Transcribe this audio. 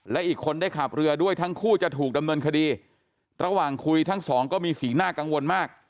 และอีกคนได้ขับเรือด้วยทั้งคู่จะถูกดำเนินคดีระหว่างคุยทั้งสองก็มีสีหน้ากังวลมาก